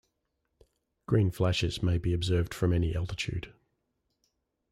Green flashes may be observed from any altitude.